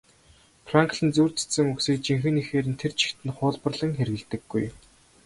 Франклин зүйр цэцэн үгсийг жинхэнэ эхээр нь тэр чигт нь хуулбарлан хэрэглэдэггүй.